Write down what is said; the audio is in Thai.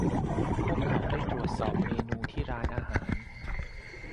พวกเขาได้ตรวจสอบเมนูที่ร้านอาหาร